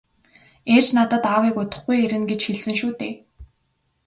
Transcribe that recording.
- Ээж надад аавыг удахгүй ирнэ гэж хэлсэн шүү дээ.